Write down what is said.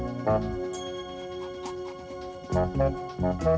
itu apaan yang paling pedas mama